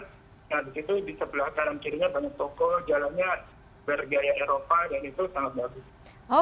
nah di situ di sebelah kanan kirinya banyak toko jalannya bergaya eropa dan itu sangat bagus